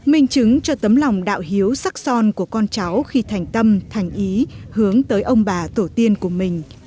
minh chứng cho tấm lòng đạo hiếu sắc son của con cháu khi thành tâm thành ý hướng tới ông bà tổ tiên của mình